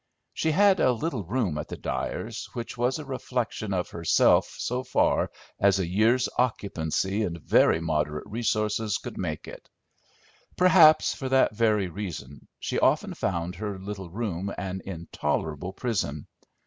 She had a little room at the Dyers', which was a reflection of herself so far as a year's occupancy and very moderate resources could make it; perhaps for that very reason she often found her little room an intolerable prison.